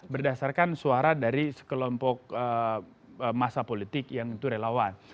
berdasarkan suara dari sekelompok masa politik yang itu relawan